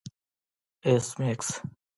ایس میکس